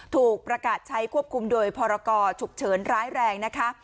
ถูกประกาศใช้ควบคุมโดยพรกรฉุกเฉินร้ายแรงนะคะ